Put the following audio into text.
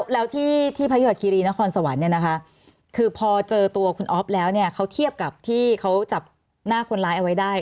แล้วที่พยอร์คีรีนครสวรรค์เนี่ยนะคะคือพอเจอตัวคุณอ๊อฟแล้วเนี่ยเขาเทียบกับที่เขาจับหน้าคนร้ายเอาไว้ได้